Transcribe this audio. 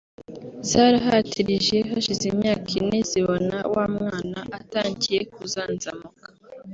zarahatirije hashize imyaka ine zibona wa mwana atangiye kuzanzamuka